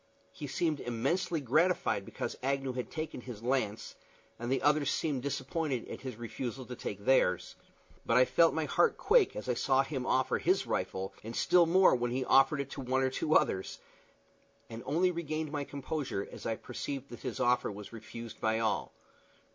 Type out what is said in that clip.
He seemed immensely gratified because Agnew had taken his lance, and the others seemed disappointed at his refusal to take theirs. But I felt my heart quake as I saw him offer his rifle, and still more when he offered it to one or two others, and only regained my composure as I perceived that his offer was refused by all.